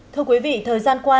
thưa quý vị thời gian qua